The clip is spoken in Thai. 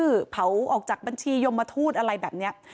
เผาชื่อเผาออกจากบัญชียมมทูตอะไรแบบนี้